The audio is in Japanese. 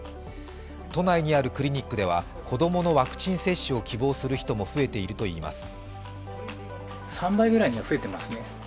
都内にあるクリニックでは子供のワクチン接種を希望する人も増えているといいます。